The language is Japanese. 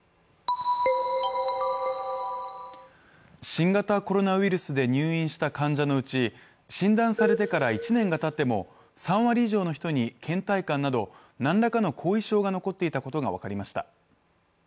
新型コロナウイルスで入院した患者のうち診断されてから１年がたっても３割以上の人にけん怠感など何らかの後遺症が残っていたことが分かりました。